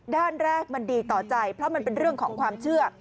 ด้านแรกมันดีต่อใจเพราะมันเป็นเรื่องของความเชื่อ